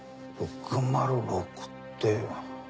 ６０６って。